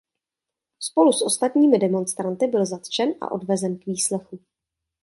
Spolu s ostatními demonstranty byl zatčen a odvezen k výslechu.